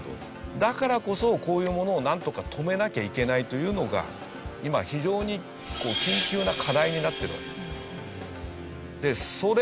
だからこそこういうものをなんとか止めなきゃいけないというのが今非常に緊急な課題になっているわけですよね。